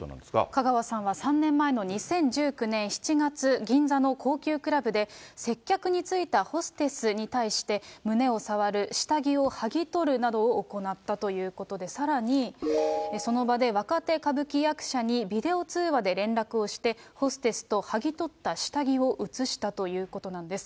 香川さんは３年前の２０１９年７月、銀座の高級クラブで接客についたホステスに対して、胸を触る、下着をはぎ取るなどを行ったということで、さらに、その場で若手歌舞伎役者にビデオ通話で連絡をして、ホステスとはぎ取った下着を映したということなんです。